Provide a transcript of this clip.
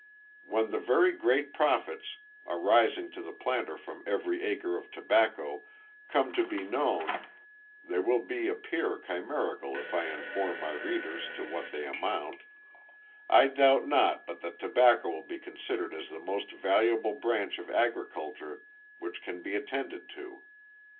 When the very great profits, arising to the planter from every acre of tobacco, come to be known, (they will appear chimerical if I inform my readers to what they amount) I doubt not but that tobacco will be considered as the most valuable branch of agriculture which can be attended to.